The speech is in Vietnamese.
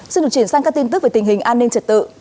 xin được chuyển sang các tin tức về tình hình an ninh trật tự